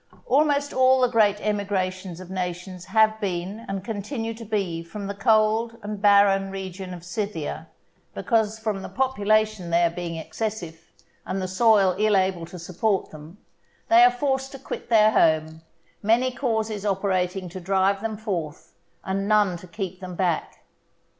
Almost all the great emigrations of nations have been and continue to be from the cold and barren region of Scythia, because from the population there being excessive, and the soil ill able to support them, they are forced to quit their home, many causes operating to drive them forth and none to keep them back.